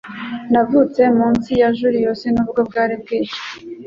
Navutse munsi ya Julius nubwo bwari bwije